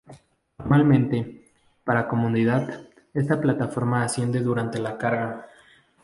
Normalmente, para comodidad, esta plataforma asciende durante la carga.